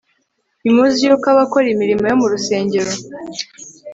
ntimuzi yuko abakora imirimo yo mu rusengero